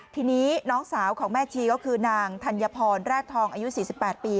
ทีนี้น้องสาวของแม่ชีก็คือนางธัญพรแร่ทองอายุ๔๘ปี